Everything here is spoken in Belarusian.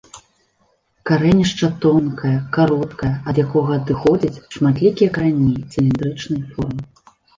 Карэнішча тонкае, кароткае ад якога адыходзяць шматлікія карані цыліндрычнай формы.